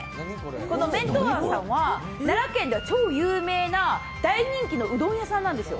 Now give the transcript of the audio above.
この麺闘庵さんは奈良県では超有名な大人気のうどん屋さんなんです。